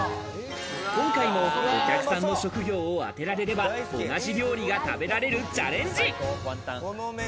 今回もお客さんの職業を当てられれば、同じ料理が食べられるチャレンジ。